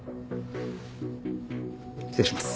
失礼します。